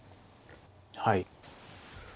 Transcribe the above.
はい。